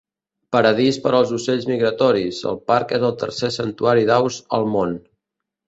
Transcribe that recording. Paradís per als ocells migratoris, el parc és el tercer santuari d'aus al món.